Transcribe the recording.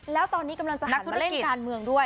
แล้วตอนนี้กำลังจะหาชุดเล่นการเมืองด้วย